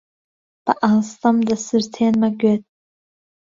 بە ئاستەم دەسرتێنمە گوێت: